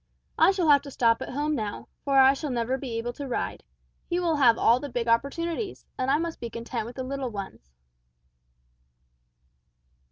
I shall have to stop at home now, for I shall never be able to ride, he will have all the big opportunities, and I must be content with the little ones."